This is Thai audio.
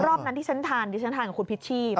รอบนั้นที่ฉันทานดิฉันทานกับคุณพิชชี่